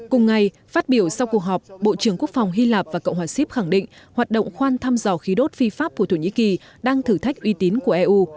cùng ngày phát biểu sau cuộc họp bộ trưởng quốc phòng hy lạp và cộng hòa sip khẳng định hoạt động khoan thăm dò khí đốt phi pháp của thổ nhĩ kỳ đang thử thách uy tín của eu